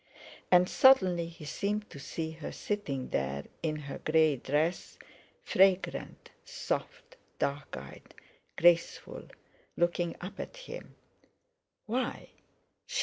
And suddenly he seemed to see her sitting there in her grey dress, fragrant, soft, dark eyed, graceful, looking up at him. Why!